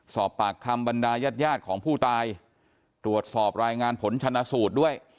สอบปากคำบรรดายาดของผู้ตายตรวจสอบรายงานผลชนะสูตรด้วย